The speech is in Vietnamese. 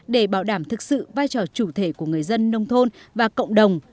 để bảo đảm thực sự vai trò chủ thể của người dân nông thôn và cộng đồng